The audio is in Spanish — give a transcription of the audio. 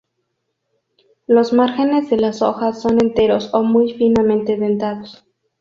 Los márgenes de las hojas son enteros o muy finamente dentados.